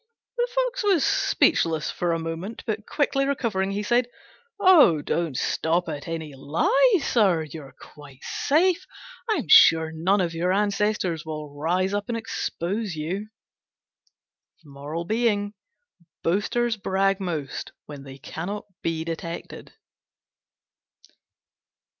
The Fox was speechless for a moment, but quickly recovering he said, "Oh! don't stop at any lie, sir; you're quite safe: I'm sure none of your ancestors will rise up and expose you." Boasters brag most when they cannot be detected.